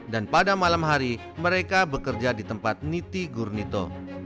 dan pada malam hari mereka bekerja di tempat niti gurnito